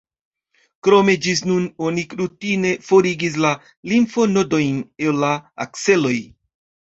Krome ĝis nun oni rutine forigis la limfonodojn el la akseloj.